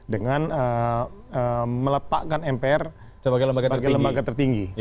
dengan meletakkan mpr sebagai lembaga tertinggi